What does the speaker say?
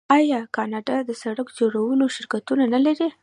آیا کاناډا د سړک جوړولو شرکتونه نلري؟